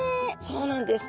そうなんです。